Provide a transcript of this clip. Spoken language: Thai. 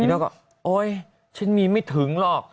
อุ๊ยฉันมีไม่ถึงหรอก